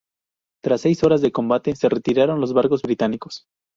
Tras seis horas de combate se retiraron los barcos británicos.